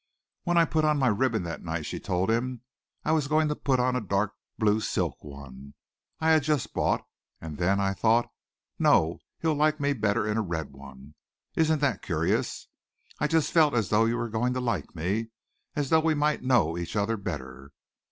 "When I put on my ribbon that night," she told him, "I was going to put on a dark blue silk one I had just bought and then I thought 'No, he'll like me better in a red one.' Isn't that curious? I just felt as though you were going to like me as though we might know each other better.